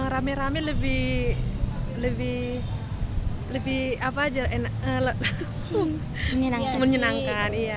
rame rame lebih apa aja menyenangkan